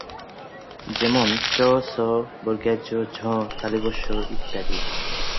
যেমন :চ ছ জ ঝ শ ইত্যাদি।